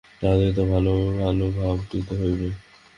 তাহাদিগকে ভাল ভাল ভাব দিতে হইবে।